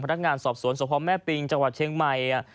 พนักงานสอบสวนสพแม่ปิงจังหวัดเชียงใหม่